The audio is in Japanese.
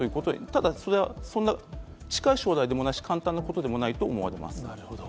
ただそれは、そんな近い将来でもないし、簡単なことでもないと思われます。